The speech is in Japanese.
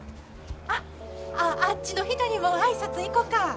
あっああっちの人にも挨拶行こか。